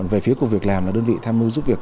về phía của việc làm là đơn vị tham mưu giúp việc